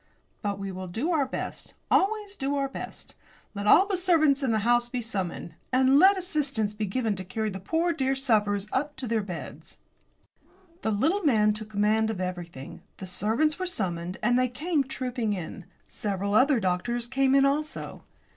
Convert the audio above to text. But we will do our best; always do our best. Let all the servants in the house be summoned, and let assistance be given to carry the poor dear sufferers up to their beds." The little man took command of everything. The servants were summoned and they came trooping in. Several other doctors came in also.